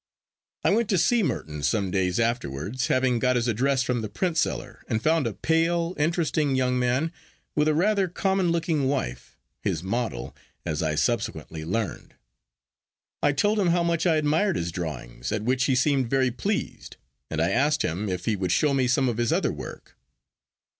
I went to see Merton some days afterwards, having got his address from the printseller, and found a pale, interesting young man, with a rather common looking wife—his model, as I subsequently learned. I told him how much I admired his drawings, at which he seemed very pleased, and I asked him if he would show me some of his other work.